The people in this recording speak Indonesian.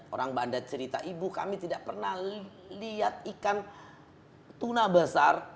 orang banda cerita ibu kami tidak pernah lihat ikan tuna besar